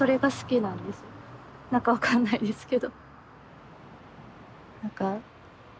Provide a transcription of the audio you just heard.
なんか分かんないですけど。